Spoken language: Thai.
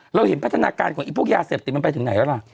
เราเห็นพัฒนาการของพวกยาเสพติดมันไปถึงไหนแล้วล่ะ